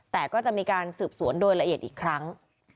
แต่ก็จะมีการสืบสวนโดยละเอียดอีกครั้ง